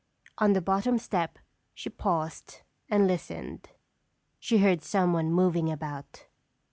On the bottom step she paused and listened. She heard someone moving about.